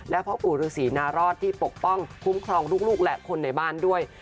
และพ่อปู่ฤษีนารอดที่ปกป้องคุ้มครองลูกและคนในบ้านด้วย